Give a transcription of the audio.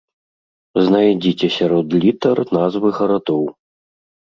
Знайдзіце сярод літар назвы гарадоў.